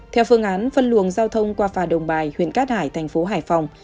theo phương án phân luồng giao thông qua phà đồng bài huyện cát hải thành phố hải phòng